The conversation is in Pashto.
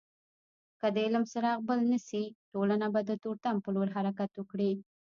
که د علم څراغ بل نسي ټولنه به د تورتم په لور حرکت وکړي.